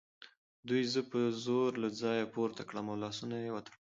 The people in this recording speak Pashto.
دوی زه په زور له ځایه پورته کړم او لاسونه یې وتړل